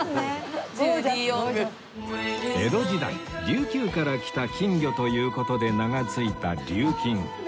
江戸時代琉球から来た金魚という事で名が付いた琉金